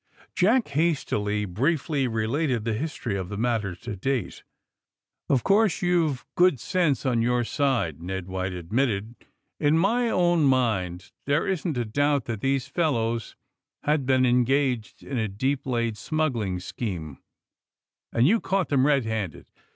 Jack hastily, briefly related the history of the matter to date. *^0f course you've good sense on your side," Ned White admitted. ^^In my own mind there isn't a doubt that these fellows have been en gaged in a deep laid smuggling scheme, and you caught them, red handed.